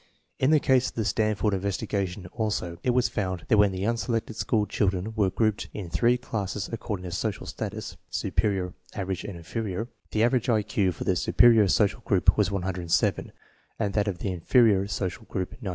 In the case of the Stanford investigation, also, it was found that when the unselected school children were grouped in three classes according to social status (superior, average, and inferior), the average I Q for the superior social group was 107, and that of the inferior social group 93.